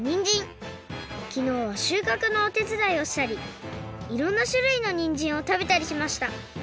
きのうはしゅうかくのおてつだいをしたりいろんなしゅるいのにんじんをたべたりしました。